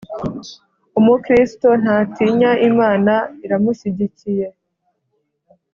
Umukristo ntatinya Imana iramushyigikiye